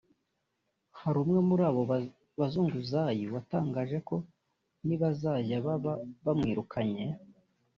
Hari umwe muri abo bazunguzayi watangaje ko nibazajya baba bamwirukankanye